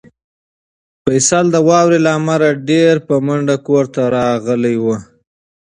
فیصل د واورې له امله ډېر په منډه کور ته راغلی و.